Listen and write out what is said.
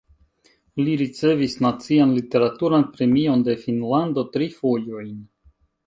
Li ricevis nacian literaturan premion de Finnlando tri fojojn.